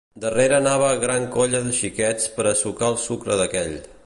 Darrere anava gran colla de xiquets per a sucar el sucre d’aquell.